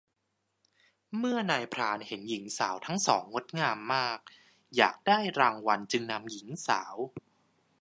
เมื่อนายพรานเห็นหญิงสาวทั้งสองงดงามมาก อยากได้รางวัลจึงนำหญิงสาว